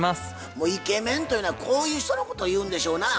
もうイケメンというのはこういう人のことを言うんでしょうな。